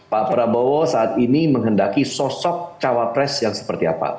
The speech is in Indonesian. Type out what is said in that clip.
pak prabowo saat ini menghendaki sosok cawapres yang seperti apa